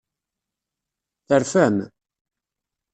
Terfam?